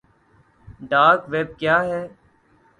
dark web کیا ہے